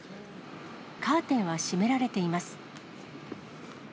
カーテンは閉められています。